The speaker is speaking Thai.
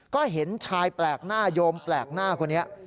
ก็เห็นชายแปลกหน้าโยมแปลกหน้าคนนี้